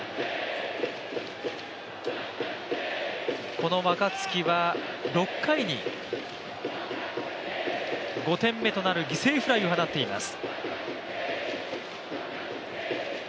この若月は６回に５点目となる犠牲フライを放っています。